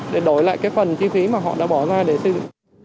để đổi lại cái phần chi phí mà họ đã bỏ ra để xây dựng